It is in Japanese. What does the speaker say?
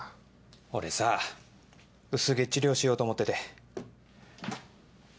俺さ薄毛治療しようと思ってて。